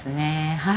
はい。